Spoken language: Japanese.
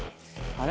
あれ？